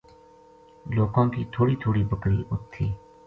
لوکاں کی تھوڑی تھوڑی بکری اُت تھی